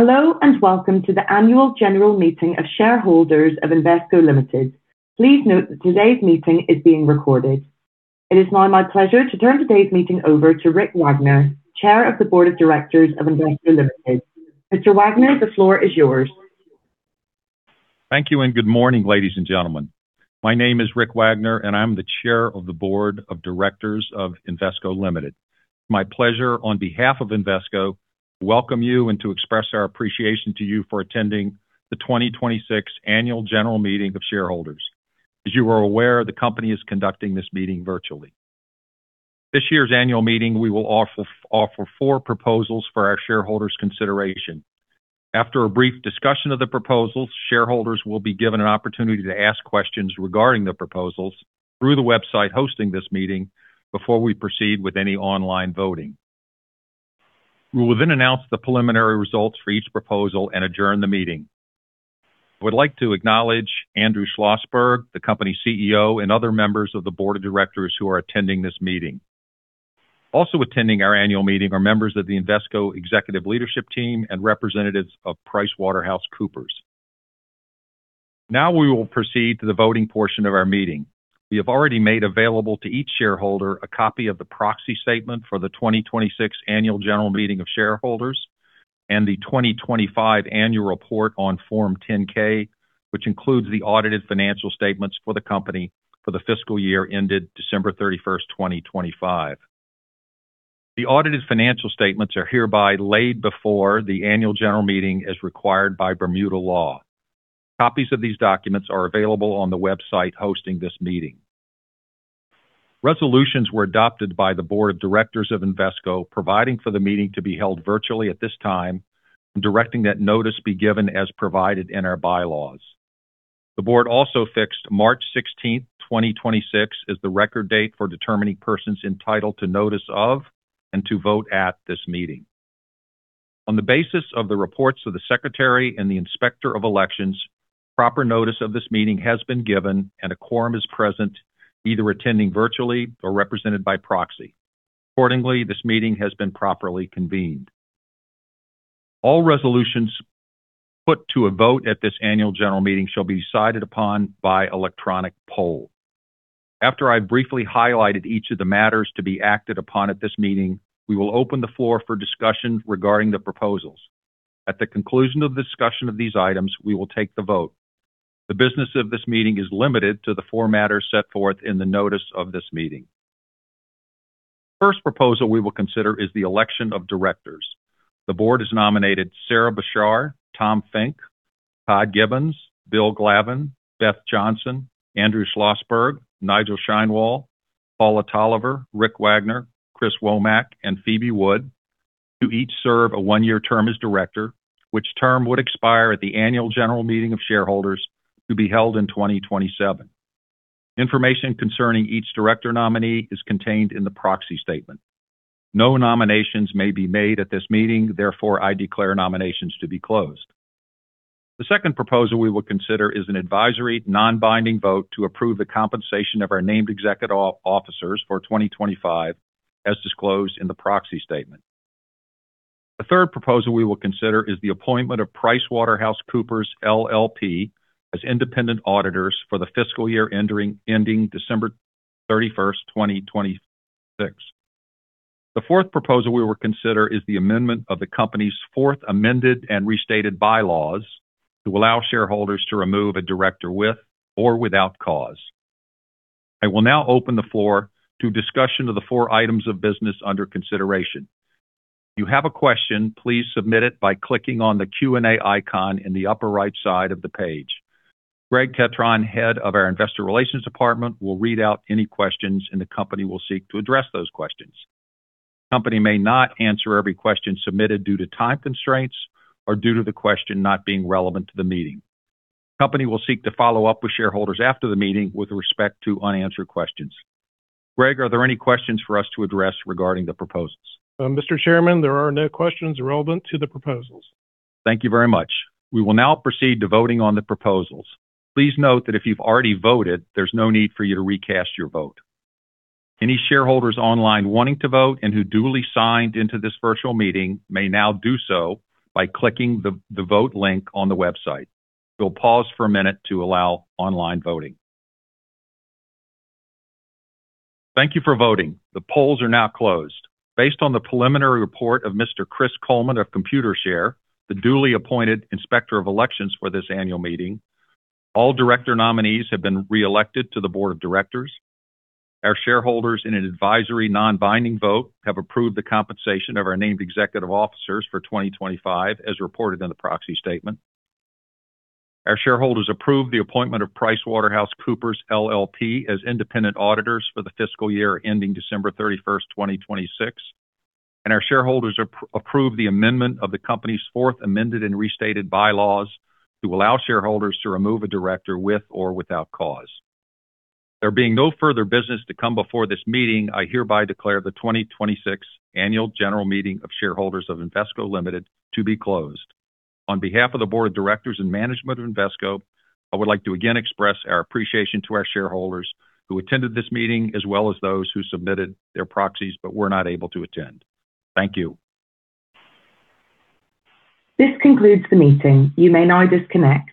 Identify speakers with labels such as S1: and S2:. S1: Hello, welcome to the annual general meeting of shareholders of Invesco Limited. Please note that today's meeting is being recorded. It is now my pleasure to turn today's meeting over to Rick Wagoner, Chair of the Board of Directors of Invesco Limited. Mr. Wagoner, the floor is yours.
S2: Thank you. Good morning, ladies and gentlemen. My name is Rick Wagoner, and I'm the Chair of the Board of Directors of Invesco Ltd. It's my pleasure, on behalf of Invesco, to welcome you and to express our appreciation to you for attending the 2026 annual general meeting of shareholders. As you are aware, the company is conducting this meeting virtually. This year's annual meeting, we will offer four proposals for our shareholders' consideration. After a brief discussion of the proposals, shareholders will be given an opportunity to ask questions regarding the proposals through the website hosting this meeting before we proceed with any online voting. We will then announce the preliminary results for each proposal and adjourn the meeting. I would like to acknowledge Andrew Schlossberg, the company CEO, and other members of the board of directors who are attending this meeting. Also attending our annual meeting are members of the Invesco executive leadership team and representatives of PricewaterhouseCoopers. We will proceed to the voting portion of our meeting. We have already made available to each shareholder a copy of the proxy statement for the 2026 annual general meeting of shareholders and the 2025 annual report on Form 10-K, which includes the audited financial statements for the company for the fiscal year ended December 31st, 2025. The audited financial statements are hereby laid before the annual general meeting as required by Bermuda law. Copies of these documents are available on the website hosting this meeting. Resolutions were adopted by the board of directors of Invesco, providing for the meeting to be held virtually at this time and directing that notice be given as provided in our bylaws. The board also fixed March 16th, 2026, as the record date for determining persons entitled to notice of and to vote at this meeting. On the basis of the reports of the secretary and the inspector of elections, proper notice of this meeting has been given and a quorum is present, either attending virtually or represented by proxy. Accordingly, this meeting has been properly convened. All resolutions put to a vote at this annual general meeting shall be decided upon by electronic poll. After I've briefly highlighted each of the matters to be acted upon at this meeting, we will open the floor for discussion regarding the proposals. At the conclusion of the discussion of these items, we will take the vote. The business of this meeting is limited to the four matters set forth in the notice of this meeting. First proposal we will consider is the election of directors. The board has nominated Sarah E. Beshar, Thomas M. Finke, Thomas P. Gibbons, William F. Glavin, Jr., Elizabeth S. Johnson, Andrew Schlossberg, Nigel Sheinwald, Paula Tolliver, Rick Wagoner, Christopher C. Womack, and Phoebe A. Wood to each serve a one-year term as director, which term would expire at the annual general meeting of shareholders to be held in 2027. Information concerning each director nominee is contained in the proxy statement. No nominations may be made at this meeting. Therefore, I declare nominations to be closed. The second proposal we will consider is an advisory, non-binding vote to approve the compensation of our named executive officers for 2025, as disclosed in the proxy statement. The third proposal we will consider is the appointment of PricewaterhouseCoopers LLP as independent auditors for the fiscal year ending December 31st, 2026. The fourth proposal we will consider is the amendment of the company's fourth amended and restated bylaws to allow shareholders to remove a director with or without cause. I will now open the floor to discussion of the four items of business under consideration. If you have a question, please submit it by clicking on the Q&A icon in the upper right side of the page. Greg Ketron, Head of our Investor Relations department, will read out any questions, and the company will seek to address those questions. The company may not answer every question submitted due to time constraints or due to the question not being relevant to the meeting. The company will seek to follow up with shareholders after the meeting with respect to unanswered questions. Greg, are there any questions for us to address regarding the proposals?
S3: Mr. Chairman, there are no questions relevant to the proposals.
S2: Thank you very much. We will now proceed to voting on the proposals. Please note that if you've already voted, there's no need for you to recast your vote. Any shareholders online wanting to vote and who duly signed into this virtual meeting may now do so by clicking the vote link on the website. We'll pause for 1 min to allow online voting. Thank you for voting. The polls are now closed. Based on the preliminary report of Mr. Chris Coleman of Computershare, the duly appointed inspector of elections for this annual meeting, all director nominees have been reelected to the board of directors. Our shareholders, in an advisory, non-binding vote, have approved the compensation of our named executive officers for 2025, as reported in the proxy statement. Our shareholders approved the appointment of PricewaterhouseCoopers, LLP as independent auditors for the fiscal year ending December 31st, 2026, and our shareholders approved the amendment of the company's fourth amended and restated bylaws to allow shareholders to remove a director with or without cause. There being no further business to come before this meeting, I hereby declare the 2026 annual general meeting of shareholders of Invesco Ltd. to be closed. On behalf of the board of directors and management of Invesco, I would like to again express our appreciation to our shareholders who attended this meeting, as well as those who submitted their proxies but were not able to attend. Thank you.
S1: This concludes the meeting. You may now disconnect.